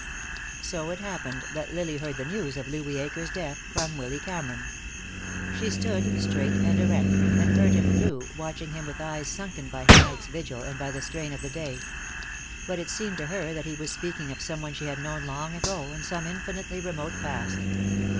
So it happened that Lily heard the news of Louis Akers' death from Willy Cameron. She stood, straight and erect, and heard him through, watching him with eyes sunken by her night's vigil and by the strain of the day. But it seemed to her that he was speaking of some one she had known long ago, in some infinitely remote past.